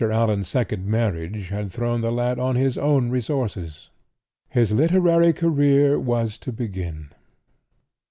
Allan's second marriage had thrown the lad on his own resources. His literary career was to begin.